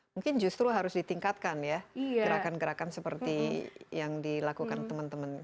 mungkin justru harus ditingkatkan ya gerakan gerakan seperti yang dilakukan teman teman